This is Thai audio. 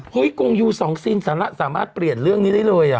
เฮ่ยกรงยู๒ซีนสามารถเปลี่ยนเรื่องนี้ได้เลย